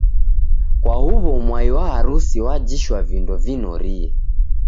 kwa huw'o mwai wa harusi wajishwa vindo vinorie.